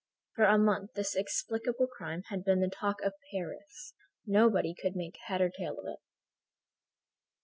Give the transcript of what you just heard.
For a month this in explicable crime had been the talk of Paris. Nobody could make head or tail of it.